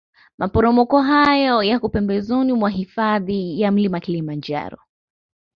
maporomoko hayo yako pembezoni mwa hifadhi ya mlima Kilimanjaro